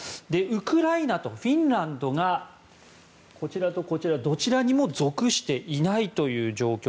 ウクライナとフィンランドがこちらとこちらどちらにも属していないという状況